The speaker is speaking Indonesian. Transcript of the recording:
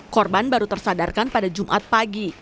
korban baru tersadarkan pada jumat pagi